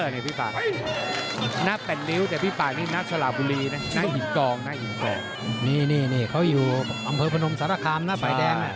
นี่เขาอยู่อำเภอพนมสารคามหน้าฝ่ายแดง